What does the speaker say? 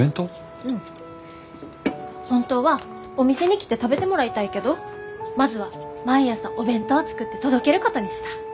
本当はお店に来て食べてもらいたいけどまずは毎朝お弁当を作って届けることにした。